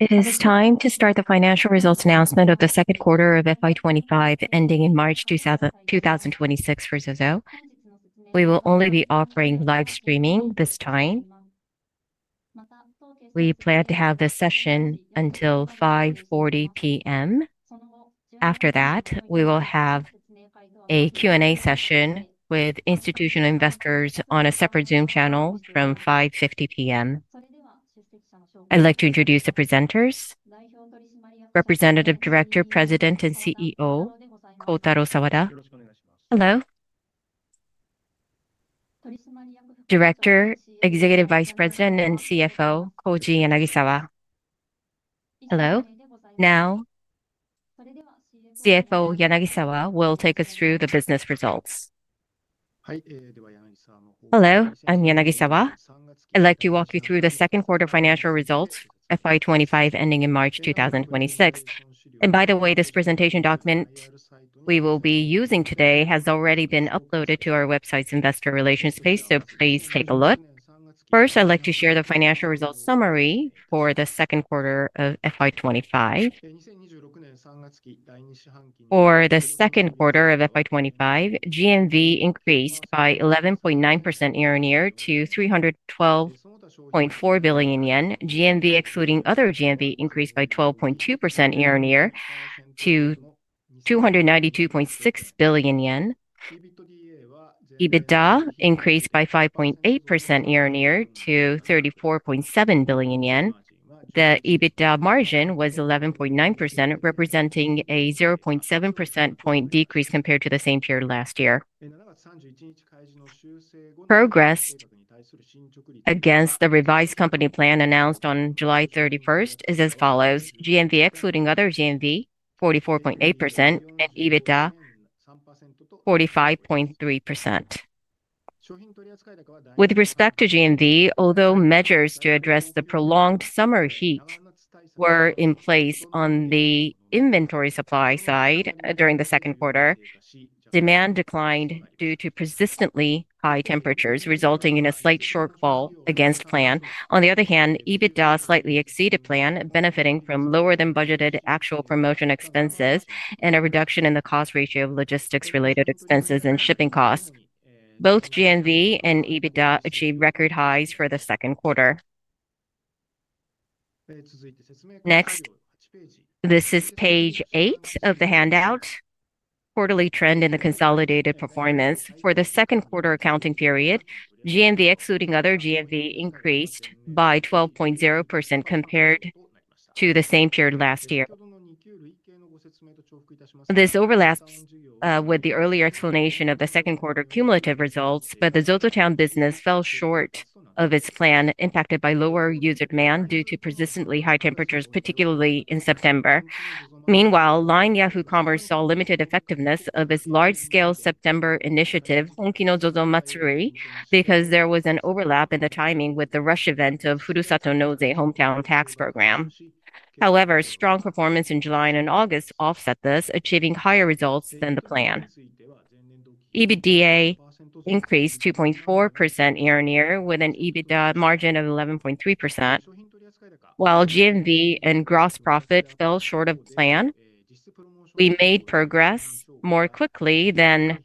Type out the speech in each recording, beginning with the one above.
It is time to start the financial results announcement of the second quarter of FY 2025, ending in March 2026 for ZOZO. We will only be offering live streaming this time. We plan to have this session until 5:40 P.M. After that, we will have a Q&A session with institutional investors on a separate Zoom channel from 5:50 P.M. I'd like to introduce the presenters. Representative Director, President, and CEO, Kotaro Sawada. Hello. Director, Executive Vice President, and CFO, Koji Yanagisawa. Hello. Now, CFO Yanagisawa will take us through the business results. Hello, I'm Koji Yanagisawa. I'd like to walk you through the second quarter financial results, FY 2025 ending in March 2026. By the way, this presentation document we will be using today has already been uploaded to our website's investor relations page, so please take a look. First, I'd like to share the financial results summary for the second quarter of FY 2025. For the second quarter of FY 2025, GMV increased by 11.9% year-on-year to 312.4 billion yen. GMV excluding other GMV increased by 12.2% year-on-year to 292.6 billion yen. EBITDA increased by 5.8% year-on-year to 34.7 billion yen. The EBITDA margin was 11.9%, representing a 0.7% point decrease compared to the same period last year. Progressed against the revised company plan announced on July 31 is as follows: GMV excluding other GMV, 44.8%, and EBITDA, 45.3%. With respect to GMV, although measures to address the prolonged summer heat were in place on the inventory supply side during the second quarter, demand declined due to persistently high temperatures, resulting in a slight shortfall against plan. On the other hand, EBITDA slightly exceeded plan, benefiting from lower-than-budgeted actual promotion expenses and a reduction in the cost ratio of logistics-related expenses and shipping costs. Both GMV and EBITDA achieved record highs for the second quarter. Next. This is page eight of the handout. Quarterly trend in the consolidated performance. For the second quarter accounting period, GMV excluding other GMV increased by 12.0% compared to the same period last year. This overlaps with the earlier explanation of the second quarter cumulative results, but the ZOZOTOWN business fell short of its plan, impacted by lower user demand due to persistently high temperatures, particularly in September. Meanwhile, LINE Yahoo! Commerce saw limited effectiveness of its large-scale September initiative, Honkino ZOZO Matsuri, because there was an overlap in the timing with the rush event of Furusato Nozei Hometown Tax Program. However, strong performance in July and August offset this, achieving higher results than the plan. EBITDA increased 2.4% year-on-year with an EBITDA margin of 11.3%. While GMV and gross profit fell short of plan, we made progress more quickly than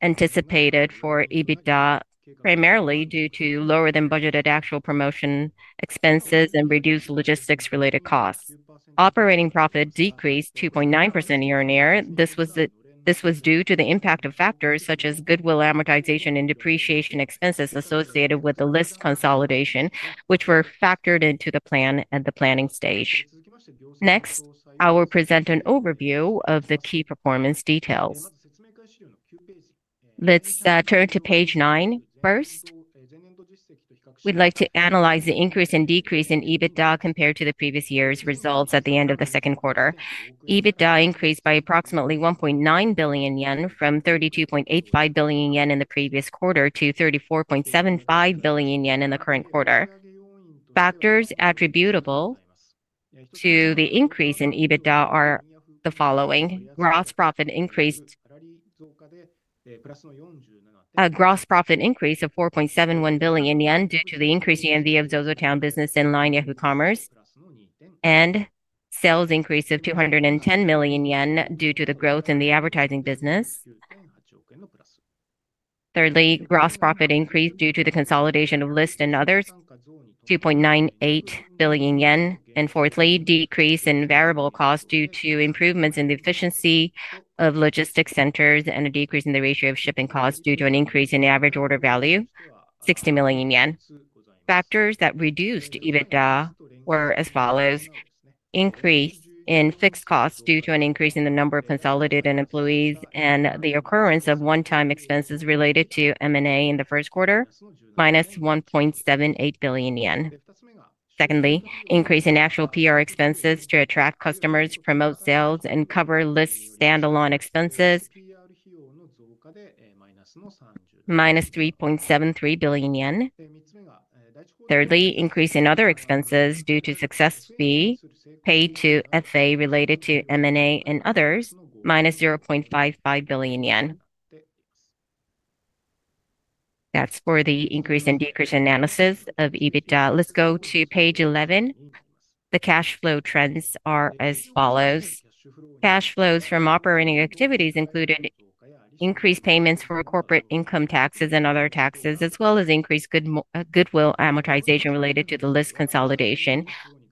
anticipated for EBITDA, primarily due to lower-than-budgeted actual promotion expenses and reduced logistics-related costs. Operating profit decreased 2.9% year-on-year. This was due to the impact of factors such as goodwill amortization and depreciation expenses associated with the LYST consolidation, which were factored into the plan at the planning stage. Next, I will present an overview of the key performance details. Let's turn to page nine first. We'd like to analyze the increase and decrease in EBITDA compared to the previous year's results at the end of the second quarter. EBITDA increased by approximately 1.9 billion yen from 32.85 billion yen in the previous quarter to 34.75 billion yen in the current quarter. Factors attributable to the increase in EBITDA are the following: gross profit increased of 4.71 billion yen due to the increased GMV of ZOZOTOWN business in LINE Yahoo! Commerce, and sales increase of 210 million yen due to the growth in the advertising business. Thirdly, gross profit increase due to the consolidation of LYST and others, 2.98 billion yen. Fourthly, decrease in variable cost due to improvements in the efficiency of logistics centers and a decrease in the ratio of shipping cost due to an increase in the average order value, 60 million yen. Factors that reduced EBITDA were as follows: increase in fixed costs due to an increase in the number of consolidated employees and the occurrence of one-time expenses related to M&A in the first quarter, minus 1.78 billion yen. Secondly, increase in actual PR expenses to attract customers, promote sales, and cover LYST standalone expenses. Minus 3.73 billion yen. Thirdly, increase in other expenses due to success fee paid to FA related to M&A and others, minus 0.55 billion yen. That's for the increase and decrease analysis of EBITDA. Let's go to page 11. The cash flow trends are as follows. Cash flows from operating activities included increased payments for corporate income taxes and other taxes, as well as increased goodwill amortization related to the LYST consolidation.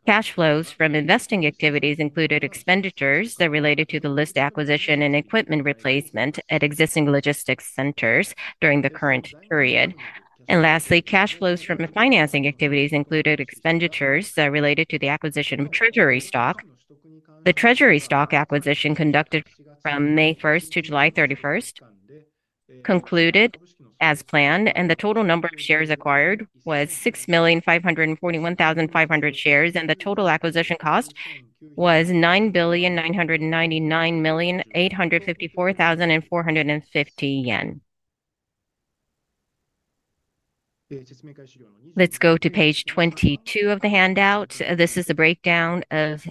Cash flows from investing activities included expenditures that related to the LYST acquisition and equipment replacement at existing logistics centers during the current period. Lastly, cash flows from financing activities included expenditures that related to the acquisition of treasury stock. The treasury stock acquisition conducted from May 1 to July 31 concluded as planned, and the total number of shares acquired was 6,541,500 shares, and the total acquisition cost was 9,999,854,450 yen. Let's go to page 22 of the handout. This is the breakdown of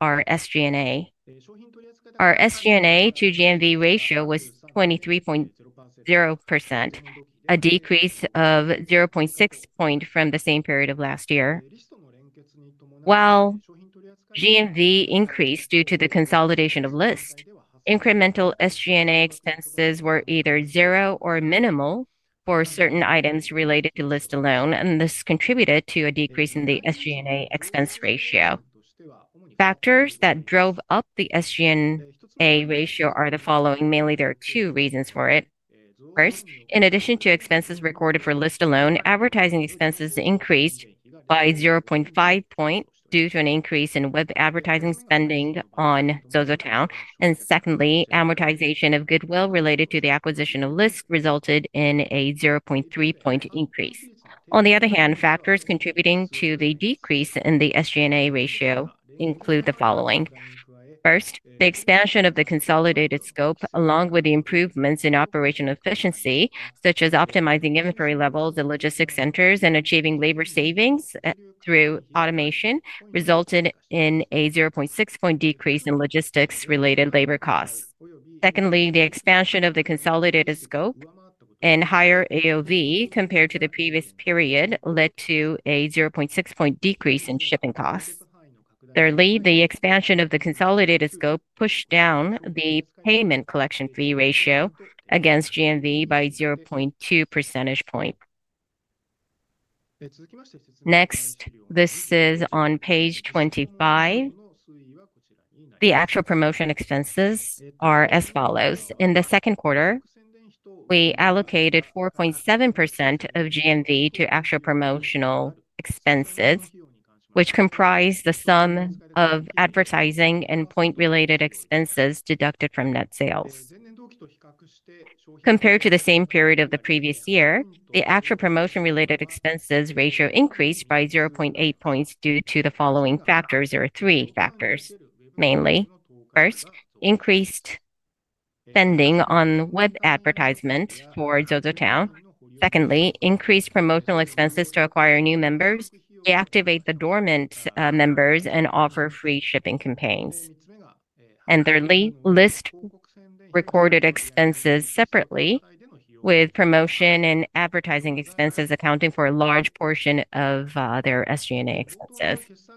our SG&A. Our SG&A to GMV ratio was 23.0%, a decrease of 0.6 point from the same period of last year. While GMV increased due to the consolidation of LYST, incremental SG&A expenses were either zero or minimal for certain items related to LYST alone, and this contributed to a decrease in the SG&A expense ratio. Factors that drove up the SG&A ratio are the following. Mainly, there are two reasons for it. First, in addition to expenses recorded for LYST alone, advertising expenses increased by 0.5 point due to an increase in web advertising spending on ZOZOTOWN. Secondly, amortization of goodwill related to the acquisition of LYST resulted in a 0.3 point increase. On the other hand, factors contributing to the decrease in the SG&A ratio include the following. First, the expansion of the consolidated scope, along with the improvements in operational efficiency, such as optimizing inventory levels and logistics centers and achieving labor savings through automation, resulted in a 0.6 point decrease in logistics-related labor costs. Secondly, the expansion of the consolidated scope and higher AOV compared to the previous period led to a 0.6 point decrease in shipping costs. Thirdly, the expansion of the consolidated scope pushed down the payment collection fee ratio against GMV by 0.2 percentage points. Next, this is on page 25. The actual promotion expenses are as follows. In the second quarter, we allocated 4.7% of GMV to actual promotional expenses, which comprised the sum of advertising and point-related expenses deducted from net sales. Compared to the same period of the previous year, the actual promotion-related expenses ratio increased by 0.8 points due to the following factors, or three factors, mainly. First, increased spending on web advertisement for ZOZOTOWN. Secondly, increased promotional expenses to acquire new members, deactivate the dormant members, and offer free shipping campaigns. Thirdly, LYST recorded expenses separately, with promotion and advertising expenses accounting for a large portion of their SG&A expenses.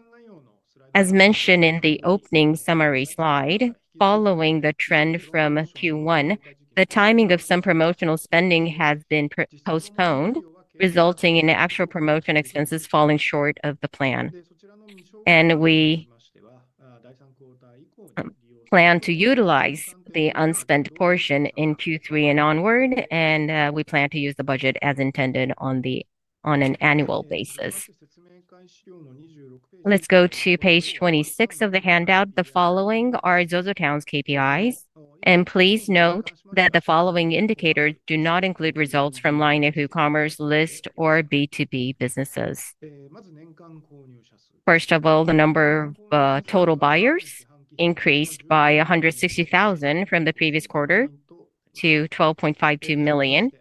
As mentioned in the opening summary slide, following the trend from Q1, the timing of some promotional spending has been postponed, resulting in actual promotion expenses falling short of the plan. We plan to utilize the unspent portion in Q3 and onward, and we plan to use the budget as intended on an annual basis. Let's go to page 26 of the handout. The following are ZOZOTOWN's KPIs, and please note that the following indicators do not include results from Line Yahoo! Commerce, LYST, or B2B businesses. First of all, the number of total buyers increased by 160,000 from the previous quarter to 12.52 million.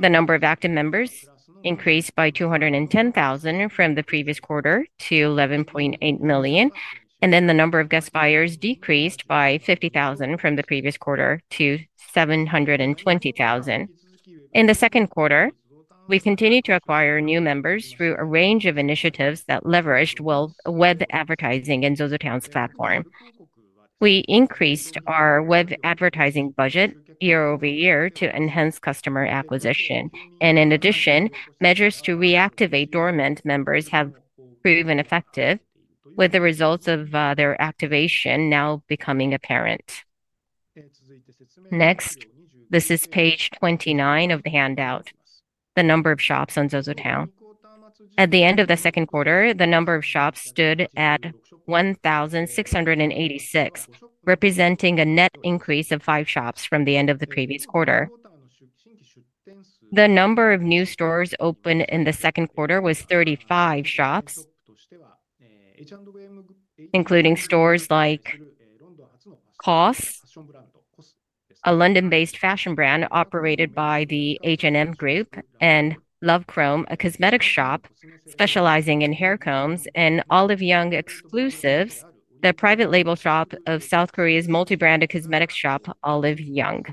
The number of active members increased by 210,000 from the previous quarter to 11.8 million. The number of guest buyers decreased by 50,000 from the previous quarter to 720,000. In the second quarter, we continued to acquire new members through a range of initiatives that leveraged web advertising and ZOZOTOWN's platform. We increased our web advertising budget year-over-year to enhance customer acquisition. In addition, measures to reactivate dormant members have proven effective, with the results of their activation now becoming apparent. Next, this is page 29 of the handout. The number of shops on ZOZOTOWN at the end of the second quarter stood at 1,686, representing a net increase of five shops from the end of the previous quarter. The number of new stores opened in the second quarter was 35 shops, including stores like COS, a London-based fashion brand operated by the H&M Group, and Love Chrome, a cosmetics shop specializing in hair combs, and Olive Young Exclusives, the private label shop of South Korea's multi-branded cosmetics shop, Olive Young.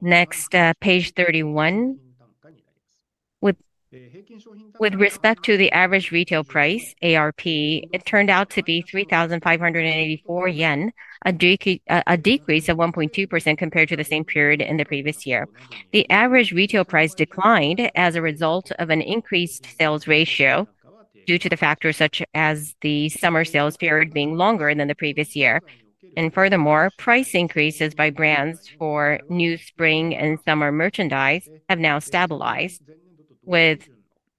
Next, page 31. With. Respect to the average retail price, ARP, it turned out to be 3,584 yen, a decrease of 1.2% compared to the same period in the previous year. The average retail price declined as a result of an increased sales ratio due to factors such as the summer sales period being longer than the previous year. Furthermore, price increases by brands for new spring and summer merchandise have now stabilized, with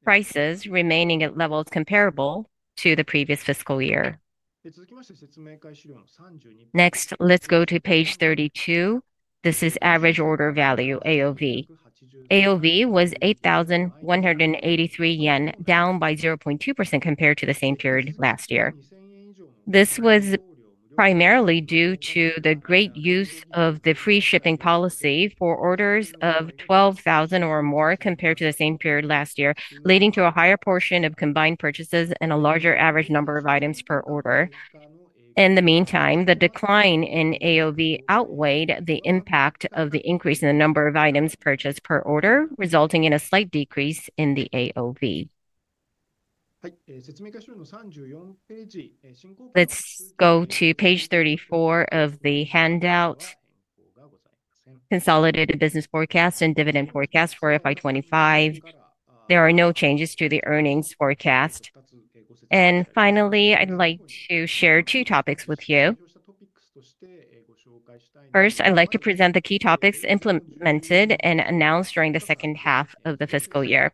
prices remaining at levels comparable to the previous fiscal year. Next, let's go to page 32. This is average order value, AOV. AOV was 8,183 yen, down by 0.2% compared to the same period last year. This was primarily due to the great use of the free shipping policy for orders of 12,000 or more compared to the same period last year, leading to a higher portion of combined purchases and a larger average number of items per order. In the meantime, the decline in AOV outweighed the impact of the increase in the number of items purchased per order, resulting in a slight decrease in the AOV. Let's go to page 34 of the handout. Consolidated business forecast and dividend forecast for FY 2025. There are no changes to the earnings forecast. Finally, I'd like to share two topics with you. First, I'd like to present the key topics implemented and announced during the second half of the fiscal year.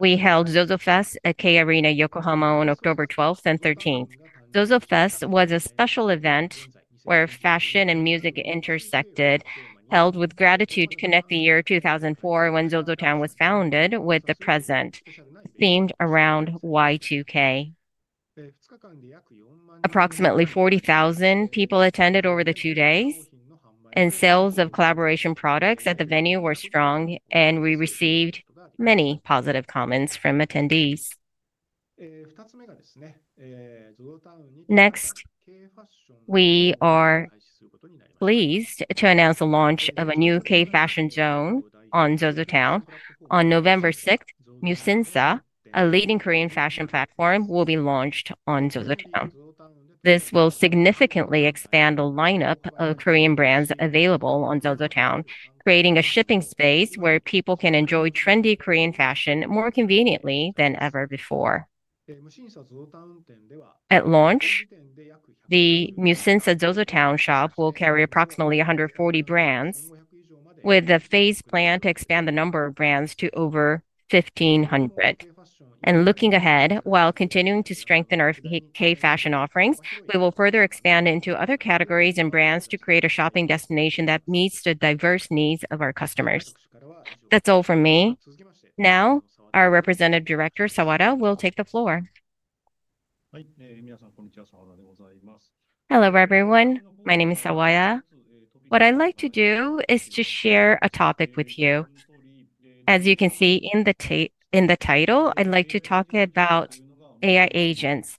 We held ZOZO Fest at K-Arena Yokohama on October 12th and 13th. ZOZO Fest was a special event where fashion and music intersected, held with gratitude to connect the year 2004 when ZOZOTOWN was founded with the present. Themed around Y2K, approximately 40,000 people attended over the two days, and sales of collaboration products at the venue were strong, and we received many positive comments from attendees. Next, we are pleased to announce the launch of a new K-Fashion Zone on ZOZOTOWN. On November 6th, MUSINSA, a leading Korean fashion platform, will be launched on ZOZOTOWN. This will significantly expand the lineup of Korean brands available on ZOZOTOWN, creating a shopping space where people can enjoy trendy Korean fashion more conveniently than ever before. At launch, the MUSINSA ZOZOTOWN shop will carry approximately 140 brands, with a phased plan to expand the number of brands to over 1,500. Looking ahead, while continuing to strengthen our K-Fashion offerings, we will further expand into other categories and brands to create a shopping destination that meets the diverse needs of our customers. That's all from me. Now, our Representative Director, Sawada, will take the floor. Hello, everyone. My name is Sawada. What I'd like to do is to share a topic with you. As you can see in the title, I'd like to talk about AI agents.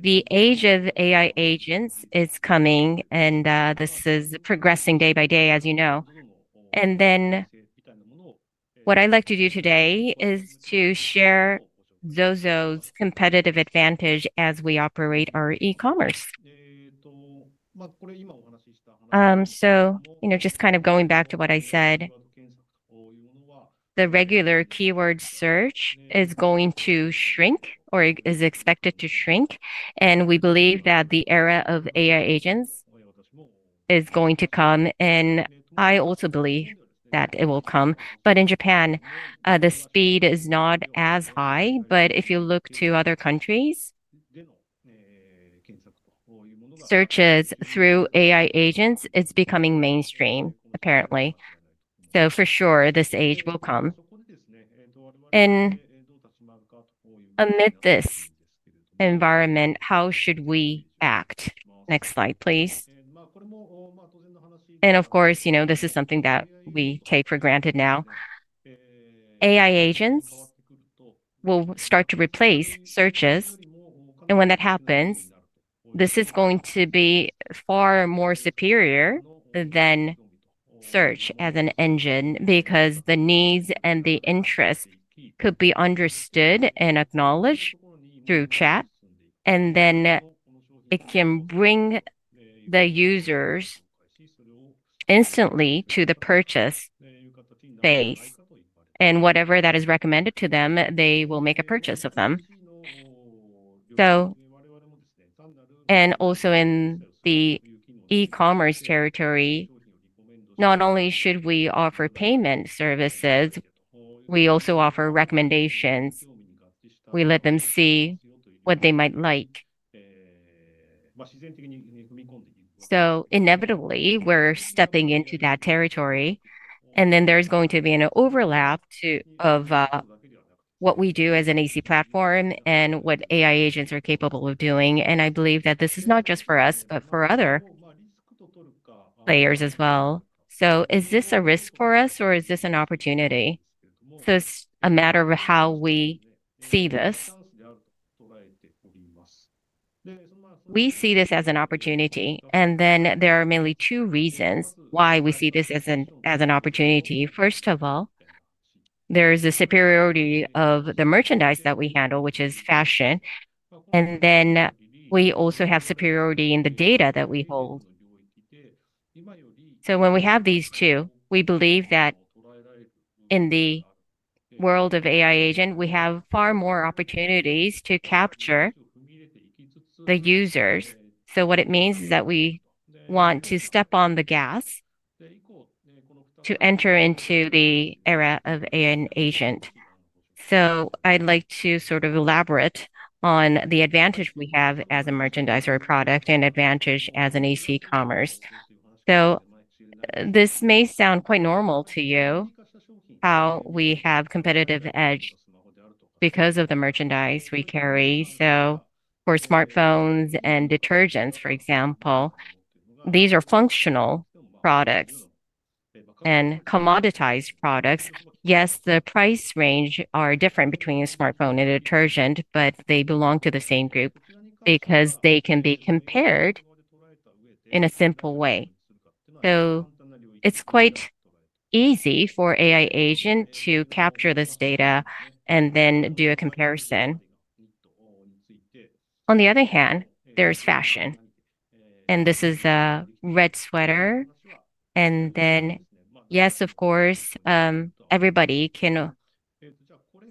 The age of AI agents is coming, and this is progressing day by day, as you know. What I'd like to do today is to share ZOZO's competitive advantage as we operate our e-commerce. Just kind of going back to what I said, the regular keyword search is going to shrink or is expected to shrink, and we believe that the era of AI agents is going to come, and I also believe that it will come. In Japan, the speed is not as high, but if you look to other countries, searches through AI agents are becoming mainstream, apparently. For sure, this age will come. Amid this environment, how should we act? Next slide, please. Of course, this is something that we take for granted now. AI agents will start to replace searches, and when that happens, this is going to be far more superior than search as an engine because the needs and the interest could be understood and acknowledged through chat, and then it can bring the users instantly to the purchase phase, and whatever that is recommended to them, they will make a purchase of them. Also, in the e-commerce territory, not only should we offer payment services, we also offer recommendations. We let them see what they might like. Inevitably, we're stepping into that territory, and then there's going to be an overlap of what we do as an AC platform and what AI agents are capable of doing. I believe that this is not just for us, but for other players as well. Is this a risk for us, or is this an opportunity? It's a matter of how we see this. We see this as an opportunity, and then there are mainly two reasons why we see this as an opportunity. First of all, there is a superiority of the merchandise that we handle, which is fashion, and then we also have superiority in the data that we hold. When we have these two, we believe that in the world of AI agents, we have far more opportunities to capture the users. What it means is that we want to step on the gas to enter into the era of AI agents. I'd like to sort of elaborate on the advantage we have as a merchandise or a product and advantage as an AC commerce. This may sound quite normal to you, how we have a competitive edge because of the merchandise we carry. For smartphones and detergents, for example, these are functional products and commoditized products. Yes, the price range is different between a smartphone and a detergent, but they belong to the same group because they can be compared in a simple way. It's quite easy for AI agents to capture this data and then do a comparison. On the other hand, there's fashion. This is a red sweater. Yes, of course, everybody can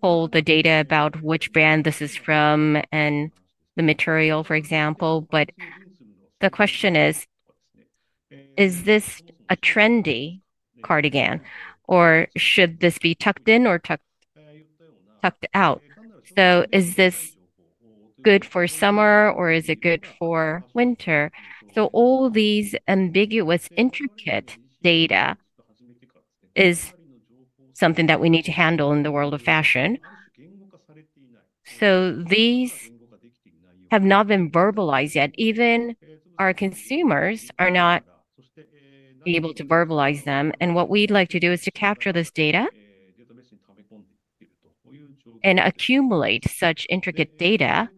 hold the data about which brand this is from and the material, for example. The question is, is this a trendy cardigan, or should this be tucked in or tucked out? Is this good for summer, or is it good for winter? All these ambiguous, intricate data is something that we need to handle in the world of fashion. These have not been verbalized yet. Even our consumers are not able to verbalize them. What we'd like to do is to capture this data and accumulate such intricate data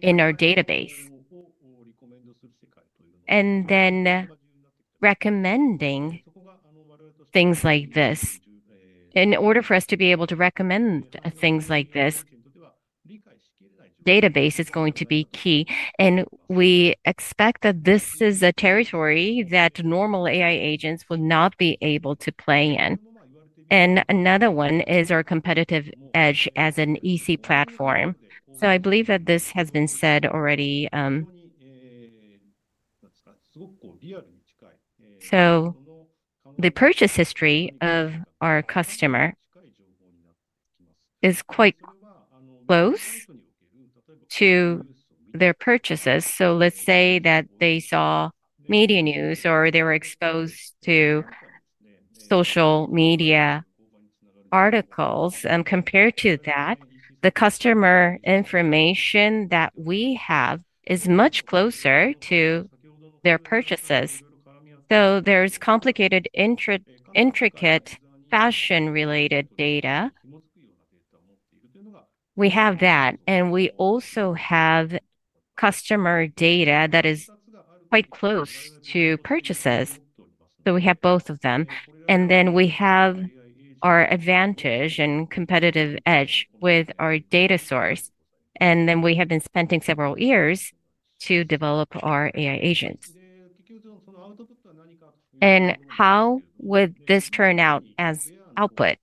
in our database. Recommending things like this, in order for us to be able to recommend things like this, the database is going to be key. We expect that this is a territory that normal AI agents will not be able to play in. Another one is our competitive edge as an EC platform. I believe that this has been said already. The purchase history of our customer is quite close to their purchases. Let's say that they saw media news or they were exposed to social media articles. Compared to that, the customer information that we have is much closer to their purchases. There's complicated, intricate fashion-related data. We have that, and we also have customer data that is quite close to purchases. We have both of them. We have our advantage and competitive edge with our data source. We have been spending several years to develop our AI agents. How would this turn out as output?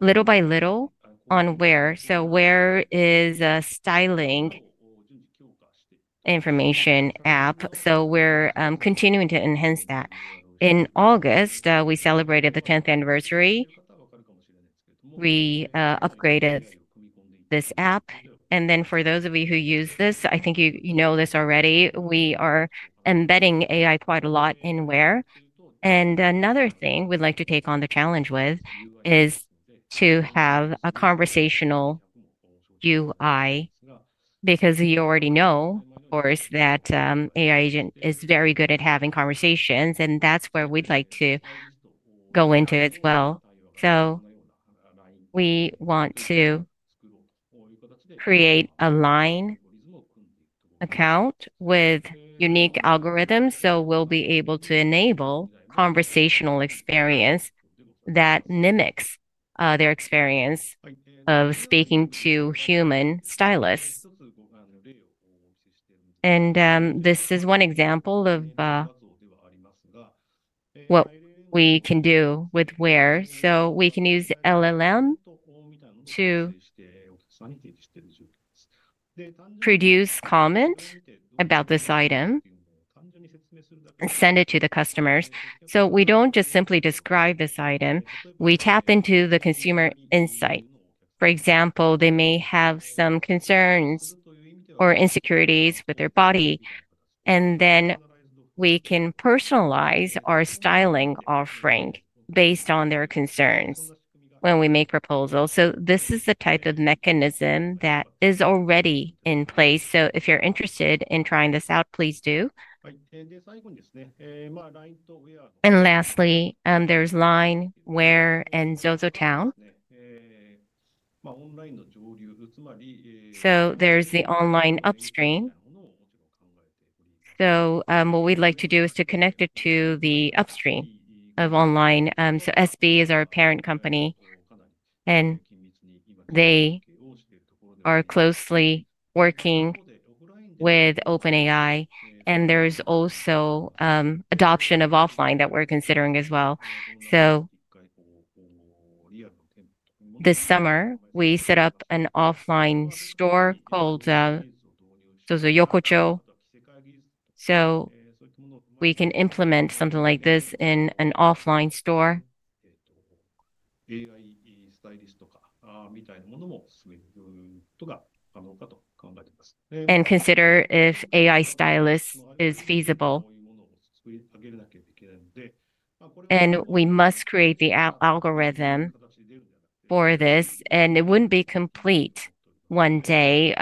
Little by little on WEAR. WEAR is a styling information app. We're continuing to enhance that. In August, we celebrated the 10th anniversary. We upgraded this app. For those of you who use this, I think you know this already, we are embedding AI quite a lot in WEAR. Another thing we'd like to take on the challenge with is to have a conversational UI. You already know, of course, that AI agent is very good at having conversations, and that's where we'd like to go into it as well. We want to create a line. Account with unique algorithms, so we'll be able to enable a conversational experience that mimics their experience of speaking to human stylists. This is one example of what we can do with WEAR. We can use LLM to produce comment about this item and send it to the customers. We don't just simply describe this item. We tap into the consumer insight. For example, they may have some concerns or insecurities with their body, and then we can personalize our styling offering based on their concerns when we make proposals. This is the type of mechanism that is already in place. If you're interested in trying this out, please do. Lastly, there's LINE WEAR and ZOZOTOWN. There's the online upstream. What we'd like to do is to connect it to the upstream of online. SB is our parent company, and they are closely working with OpenAI. There's also adoption of offline that we're considering as well. This summer, we set up an offline store called ZOZO Yokocho. We can implement something like this in an offline store and consider if AI stylist is feasible. We must create the algorithm for this, and it wouldn't be complete one day.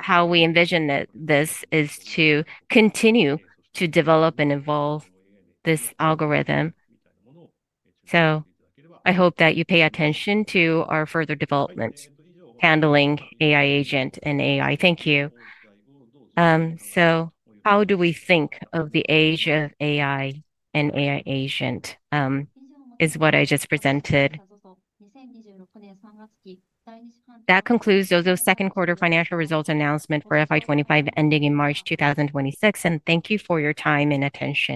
How we envision this is to continue to develop and evolve this algorithm. I hope that you pay attention to our further development handling AI agent and AI. Thank you. How do we think of the age of AI and AI agent is what I just presented. That concludes ZOZO's second quarter financial results announcement for FY 2025 ending in March 2026. Thank you for your time and attention.